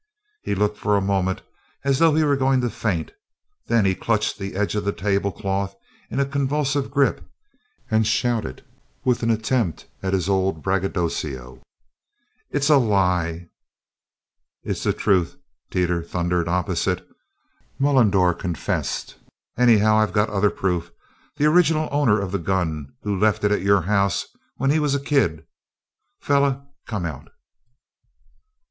He looked for a moment as though he were going to faint, then he clutched the edge of the table cloth in a convulsive grip, and shouted with an attempt at his old braggadocio: "It's a lie!" "It's the truth!" Teeters thundered, opposite. "Mullendore confessed. Anyhow, I've got other proof the original owner of the gun who left it at your house when he was a kid. Feller come out."